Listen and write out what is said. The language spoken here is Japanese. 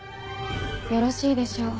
よろしいでしょう